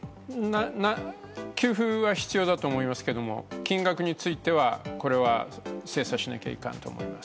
給付は必要だと思いますけども金額についてはこれは精査しなきゃいかんと思います。